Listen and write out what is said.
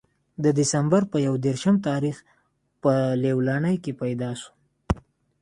د دسمبر پۀ يو ديرشم تاريخ پۀ ليلوڼۍ کښې پېداشو